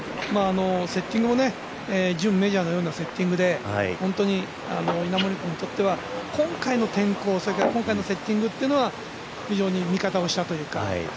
セッティングもメジャーのようなセッティングで本当に稲森君にとっては今回の天候、それから今回のセッティングというのは味方をしたというか。